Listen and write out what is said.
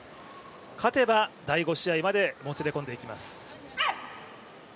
勝てば第５試合までもつれ込んでいきます。